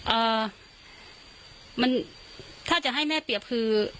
เอ่อมันถ้าจะให้แม่เปรียบคือ